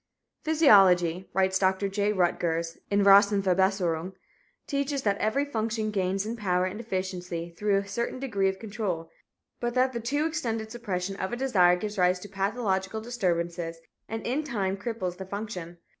"Physiology," writes Dr. J. Rutgers in Rassenverbesserung, "teaches that every function gains in power and efficiency through a certain degree of control, but that the too extended suppression of a desire gives rise to pathological disturbances and in time cripples the function.